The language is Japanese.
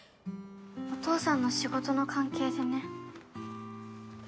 お父さんの仕事の関係でね。